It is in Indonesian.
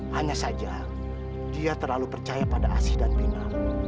hanya saja dia terlalu percaya pada asih dan pina